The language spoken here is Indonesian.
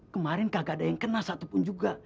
kemarin kagak ada yang kena satupun juga